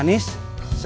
uangnya di rumah